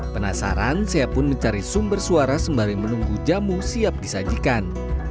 penasaran saya pun mencari sumber suara sembari menunggu jamu siap disajikan